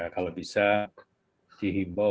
kalau bisa dihimbau